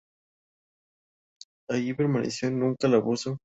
Allí permaneció en un calabozo en donde fue decapitado y arrojado al río Somme.